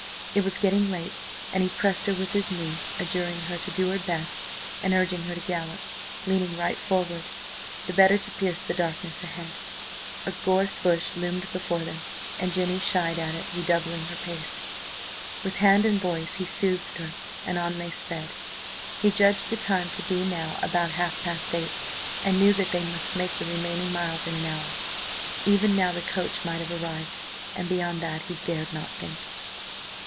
It was getting late, and he pressed her with his knee, adjuring her to do her best, and urging her to a gallop, leaning right forward, the better to pierce the darkness ahead. A gorse bush loomed before them, and Jenny shied at it, redoubling her pace. With hand and voice he soothed her, and on they sped. He judged the time to be now about half past eight, and knew that they must make the remaining miles in an hour. Even now the coach might have arrived, and beyond that he dared not think.